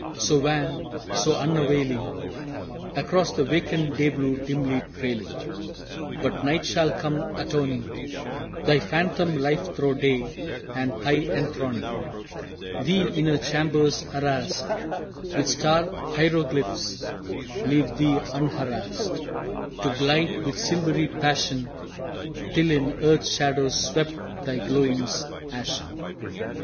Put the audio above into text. So wan, so unavailing, Across the vacant day blue dimly trailing! But Night shall come atoning Thy phantom life thro' day, and high enthroning Thee in her chambers arrased With star hieroglyphs, leave thee unharassed To glide with silvery passion, Till in earth's shadow swept thy glowings ashen.